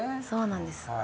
そうなんです。